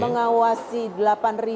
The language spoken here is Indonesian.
mengawasi delapan ribu panitera dan jurusita